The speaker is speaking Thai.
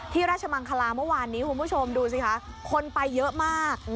ราชมังคลาเมื่อวานนี้คุณผู้ชมดูสิคะคนไปเยอะมาก